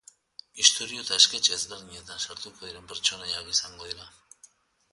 Istorio eta esketx ezberdinetan sartuko diren pertsonaiak izango dira.